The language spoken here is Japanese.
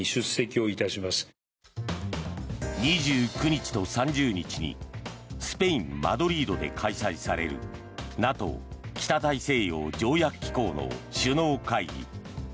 ２９日と３０日にスペイン・マドリードで開催されるＮＡＴＯ・北大西洋条約機構の首脳会議。